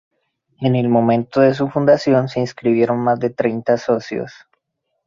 En el momento de su fundación, se inscribieron más de treinta socios.